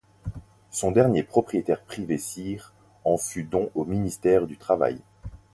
Son dernier propriétaire privé Sir en fit don au ministère du travail.